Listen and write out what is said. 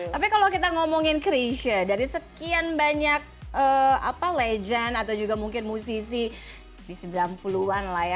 tapi kalau kita ngomongin krisha dari sekian banyak legend atau juga mungkin musisi di sembilan puluh an lah ya